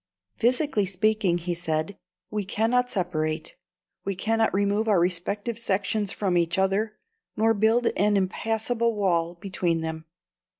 "Physically speaking," he said, "we cannot separate. We cannot remove our respective sections from each other, nor build an impassable wall between them.